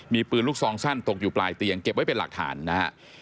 มีปืนลูกซองสั้นตกอยู่ปลายเตียงเก็บไว้เป็นหลักฐานนะฮะ